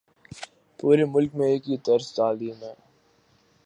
پورے ملک میں ایک ہی طرز تعلیم ہے۔